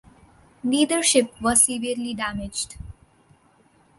Neither ship was severely damaged.